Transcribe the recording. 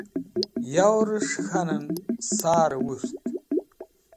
yew'resh k̃̃hanen sar e wurt